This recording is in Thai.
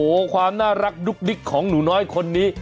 โอ้โหความน่ารักดุ๊กดิ๊กของหนูน้อยคนนี้